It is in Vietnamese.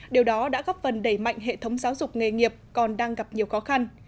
điều đó đã góp phần đẩy mạnh hệ thống giáo dục nghề nghiệp còn đang gặp nhiều khó khăn